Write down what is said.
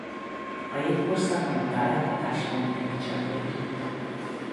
A jégkorszakban a tájat a Dachstein-gleccser borította.